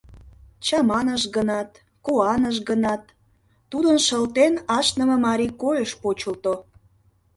Чаманыш гынат, куаныш гынат, тудын шылтен ашныме марий койыш почылто.